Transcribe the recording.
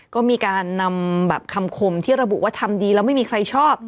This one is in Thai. ก็มีการนำแบบคำคมที่ระบุว่าทำดีแล้วไม่มีใครชอบ